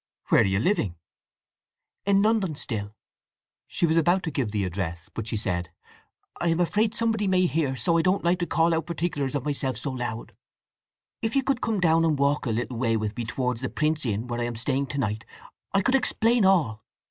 "Where are you living?" "In London still." She was about to give the address, but she said, "I am afraid somebody may hear, so I don't like to call out particulars of myself so loud. If you could come down and walk a little way with me towards the Prince Inn, where I am staying to night, I would explain all.